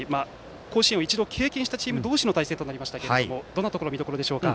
甲子園を一度経験したチーム同士の対戦ですがどんなところが見どころでしょうか。